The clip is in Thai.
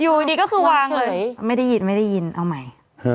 อยู่อยู่ดีก็คือวางเลยไม่ได้ยินเอาใหม่